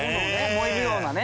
燃えるようなね。